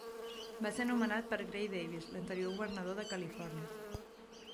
Va ser nomenat per Gray Davis, l'anterior Governador de Califòrnia.